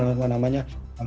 jadi belum apa namanya